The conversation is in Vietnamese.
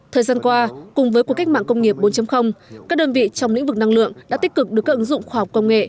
thời gian qua cùng với cuộc cách mạng công nghiệp bốn các đơn vị trong lĩnh vực năng lượng đã tích cực được các ứng dụng khoa học công nghệ